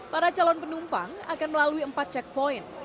para calon penumpang akan melalui empat checkpoint